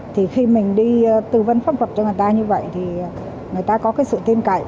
thì khi mình đi tư vấn pháp luật cho người ta như vậy thì người ta có cái sự tin cậy